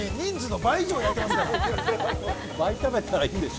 倍食べたらいいんでしょ。